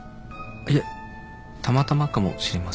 いやたまたまかもしれません。